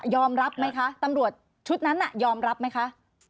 รับไหมคะตำรวจชุดนั้นยอมรับไหมคะ